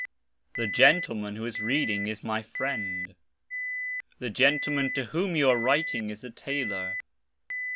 The gentle man who is reading is my friend. The gentleman to whom you are writing is a tailor.